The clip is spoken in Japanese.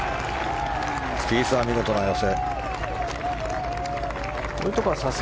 スピースは見事な予選。